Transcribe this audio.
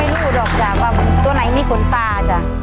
แม่ก็ไม่รู้ดอกจากว่าตัวไหนไม่มีขนตาจ้ะ